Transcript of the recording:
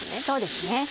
そうですね。